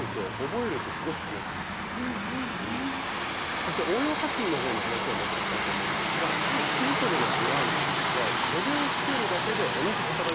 そして応用作品のほうに話を持っていきたいと思うんですが七分そでのブラウスはそでをつけるだけで同じ型紙からできていると。